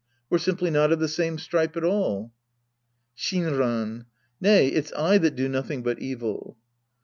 We're simply not of the same stripe at all. Shinran. Nay. It's I that do nothing but evil.